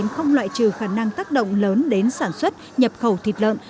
không loại trừ khả năng tác động lớn đến sản xuất nhập khẩu thịt lợn